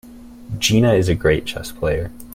Gina is a great chess player.